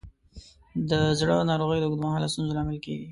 د زړه ناروغۍ د اوږد مهاله ستونزو لامل کېږي.